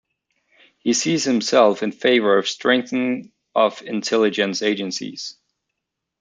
He sees himself in favour of strengthening of intelligence agencies.